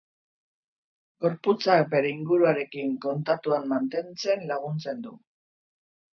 Gorputzak bere inguruarekin kontaktuan mantentzen laguntzen du.